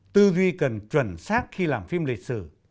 tư duy cần chuẩn xác khi làm phim lịch sử